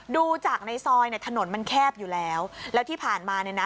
ดูจากในซอยเนี่ยถนนมันแคบอยู่แล้วแล้วที่ผ่านมาเนี่ยนะ